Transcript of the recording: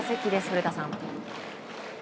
古田さん。